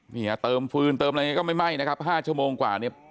เนี่ยเติมฟืนเติมอะไรอย่างนี้ก็ไม่ไหม้นะครับ๕ชั่วโมงกว่าเนี่ย